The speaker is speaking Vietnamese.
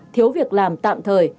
thiếu việc làm tạm thời